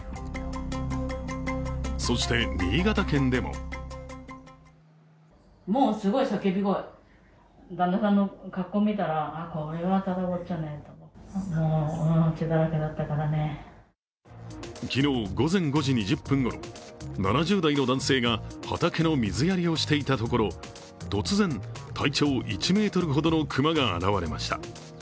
そして新潟県でも昨日午前５時２０分ごろ、７０代の男性が畑の水やりをしていたところ、突然、体長１ｍとほどの熊が現れました。